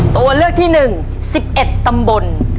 ตัวเลือกที่๑๑ตำบล